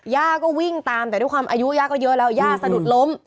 ย่าก็วิ่งตามแต่ด้วยความอายุย่าก็เยอะแล้วย่าสะดุดล้ม